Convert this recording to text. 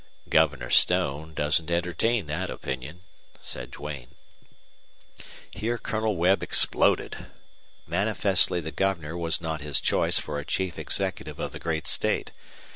"Governor Stone doesn't entertain that opinion," said Duane. Here Colonel Webb exploded. Manifestly the governor was not his choice for a chief executive of the great state.